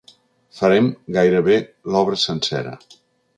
Farem gairebé l’obra sencera.